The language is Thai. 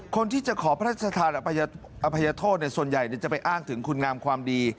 คนที่จะขอพระราชทานอภัยโทษส่วนใหญ่จะไปอ้างถึงคุณงามความดี